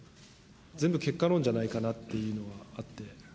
全部結果論じゃないかなっていうのがあって。